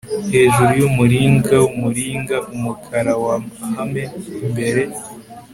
Hejuru yumuringa wumuringa umukara wa mahame imbere